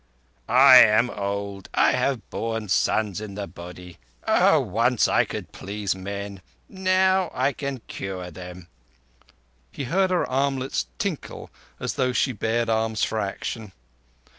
"I am old. I have borne sons in the body. Oh, once I could please men! Now I can cure them." He heard her armlets tinkle as though she bared arms for action.